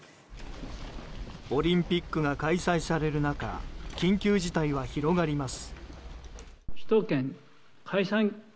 オリンピックが開催される中緊急事態は広がります。